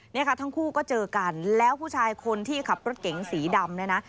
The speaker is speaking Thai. เนี่ยค่ะทั้งคู่ก็เจอกันแล้วผู้ชายคนที่ขับรถเก๋งสีดำเนี่ยนะ